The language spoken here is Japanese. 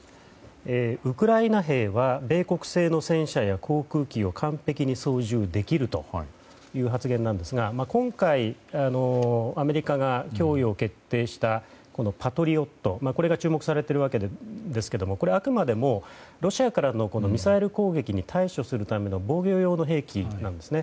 ウクライナ兵は米国製の戦車や航空機を完璧に操縦できるという発言なんですが今回、アメリカが供与を決定したパトリオットが注目されているわけですがこれはあくまでもロシアからのミサイル攻撃に対処するための防御用の兵器なんですね。